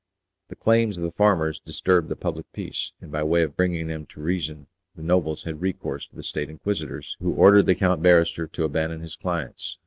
The claims of the farmers disturbed the public peace, and by way of bringing them to reason the nobles had recourse to the State Inquisitors, who ordered the count barrister to abandon his clients.